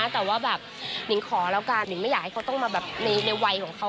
แต่ว่าแบบหนิงขอแล้วกันนิ่งไม่อยากให้เขาต้องมาแบบในวัยของเขา